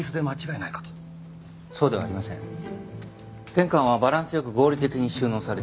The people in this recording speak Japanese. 玄関はバランスよく合理的に収納されている。